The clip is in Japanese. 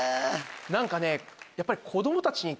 何かねやっぱり。